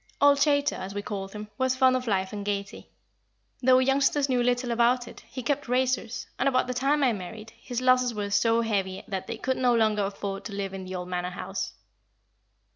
Old Chaytor, as we called him, was fond of life and gaiety; though we youngsters knew little about it, he kept racers, and about the time I married, his losses were so heavy that they could no longer afford to live in the old Manor House."